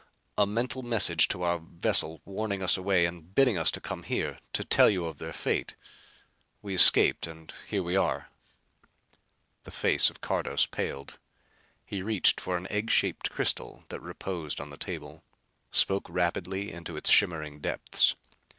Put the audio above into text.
A mental message to our vessel warning us away and bidding us to come here; to tell you of their fate. We escaped and here we are." The face of Cardos paled. He reached for an egg shaped crystal that reposed on the table; spoke rapidly into its shimmering depths.